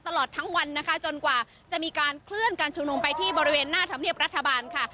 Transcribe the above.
ตลอดทั้งวันนะคะจนกว่าจะมีการเคลื่อนการชุมนุมไปที่บริเวณหน้าธรรมเนียบรัฐบาลค่ะ